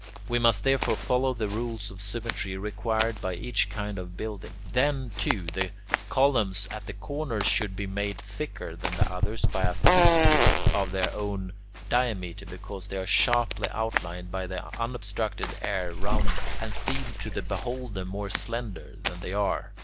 We must therefore follow the rules of symmetry required by each kind of building. Then, too, the columns at the corners should be made thicker than the others by a fiftieth of their own diameter, because they are sharply outlined by the unobstructed air round them, and seem to the beholder more slender than they are.